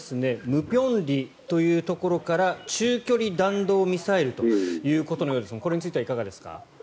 舞坪里というところから中距離弾道ミサイルということのようですがこれについてはいかがですか？